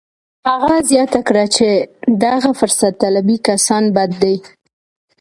هغه زیاته کړه چې دغه فرصت طلبي کسان بد دي